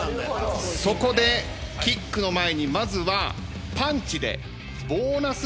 そこでキックの前にまずはパンチで。